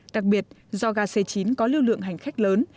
đặc biệt do ga c chín có lưu lượng hành khách lớn